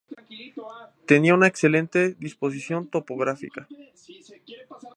Tenía una excelente disposición tipográfica.